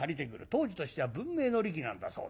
当時としては文明の利器なんだそうですな。